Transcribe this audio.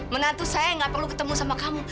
menantu saya nggak perlu ketemu sama kamu